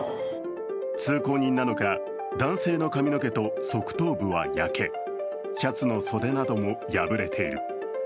通行人なのか、男性の髪の毛と側頭部は焼けシャツの袖なども破れている。